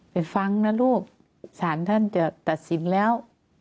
ไปฟังนะลูกศาลท่านจะตัดสินแล้ว